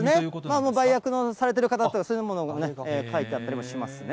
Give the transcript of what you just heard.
もう売約されてる方とか、そういうのも書いてあったりしますね。